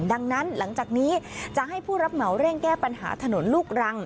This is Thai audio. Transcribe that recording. ดังนั้นหลังจากนี้จะให้ผู้รับเหมาเร่งแก้ปัญหาถนนลูกรัง